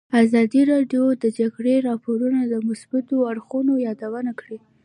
ازادي راډیو د د جګړې راپورونه د مثبتو اړخونو یادونه کړې.